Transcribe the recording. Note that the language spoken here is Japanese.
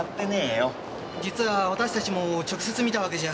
実は私たちも直接見たわけじゃ。